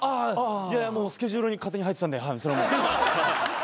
いやいやもうスケジュールに勝手に入ってたんではい。